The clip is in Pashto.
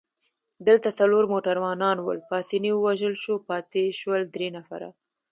دلته څلور موټروانان ول، پاسیني ووژل شو، پاتې شول درې نفره.